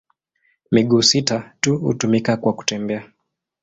Miguu sita tu hutumika kwa kutembea.